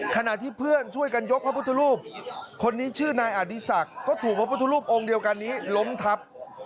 ขณะที่เพื่อนช่วยกันยกพระพุทธรูปคนนี้ชื่อนายอดีศักดิ์ก็ถูกพระพุทธรูปองค์เดียวกันนี้ล้มทับ